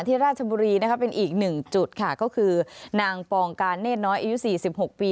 ราชบุรีนะคะเป็นอีกหนึ่งจุดค่ะก็คือนางปองการเนธน้อยอายุ๔๖ปี